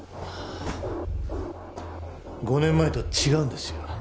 ５年前とは違うんですよ。